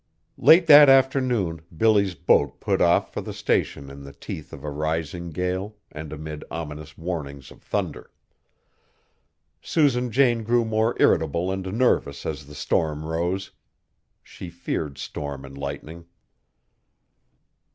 Late that afternoon Billy's boat put off for the Station in the teeth of a rising gale and amid ominous warnings of thunder. Susan Jane grew more irritable and nervous as the storm rose. She feared storm and lightning.